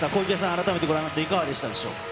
改めてご覧になっていかがでしたでしょうか。